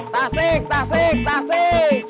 tasik tasik tasik